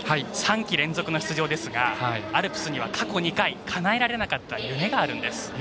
３季連続の出場ですがアルプスには過去２回かなえられなかった夢があるんです。